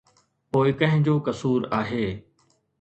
پوءِ ڪنهن جو قصور آهي؟